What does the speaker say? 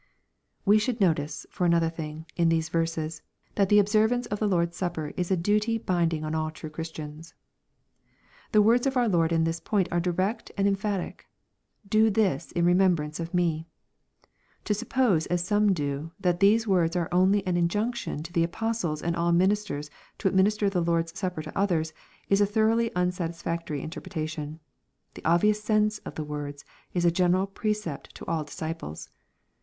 We should notice, for another thing, in these verses, that the observance of the Lord's Supper is a duty binding on all true Christians, The words of our Lord on this point are direct and emphatic :—" Do this in remem brance of me." To suppose, as some do, that these words are only an injunction to the apostles and all ministers to administer the Lord's Supper to others, is a thoroughly unsatisfactory interpretation. The obvious sense of the words is a general precept to all disciples.